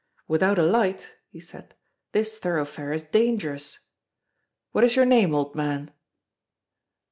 "Without a light," he said, "this thoroughfare is dangerous. What is your name, old man?"